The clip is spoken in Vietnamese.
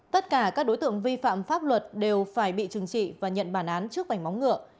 tất cả các đối tượng vi phạm pháp luật đều phải bị trừng trị và nhận bản án trước vảnh móng ngựa